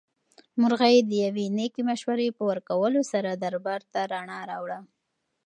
مرغۍ د یوې نېکې مشورې په ورکولو سره دربار ته رڼا راوړه.